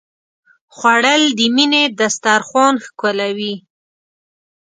خوړل د مینې دسترخوان ښکلوي